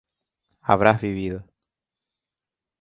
habrás vivido